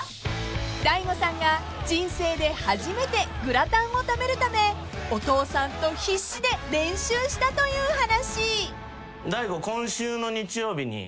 ［大悟さんが人生で初めてグラタンを食べるためお父さんと必死で練習したという話］